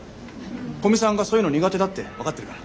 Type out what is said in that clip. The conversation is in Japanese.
古見さんがそういうの苦手だって分かってるから。